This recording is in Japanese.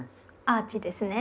アーチですね。